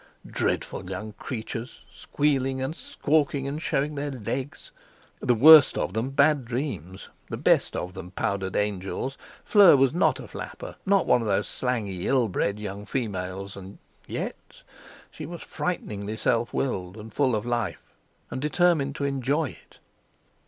Dreadful young creatures—squealing and squawking and showing their legs! The worst of them bad dreams, the best of them powdered angels! Fleur was not a flapper, not one of those slangy, ill bred young females. And yet she was frighteningly self willed, and full of life, and determined to enjoy it.